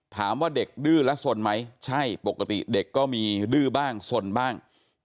ถามว่าเด็กดื้อและสนไหมใช่ปกติเด็กก็มีดื้อบ้างสนบ้าง